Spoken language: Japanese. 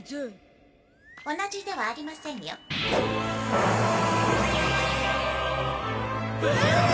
同じではありませんよ。うわあっ！！